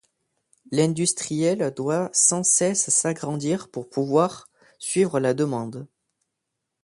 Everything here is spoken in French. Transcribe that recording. L'industriel doit sans cesse s'agrandir pour pouvoir suivre la demande.